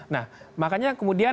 nah makanya kemudian